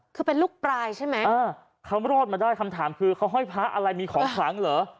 คือเป็นลูกปลายใช่ไหมอ่าเขารอดมาได้คำถามคือเขาห้อยพระอะไรมีของขลังเหรอ